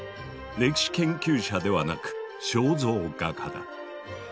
歴史研究者ではなく肖像画家だ。